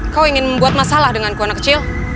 kau ingin membuat masalah dengan aku anak kecil